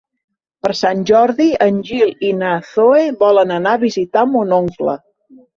Per Sant Jordi en Gil i na Zoè volen anar a visitar mon oncle.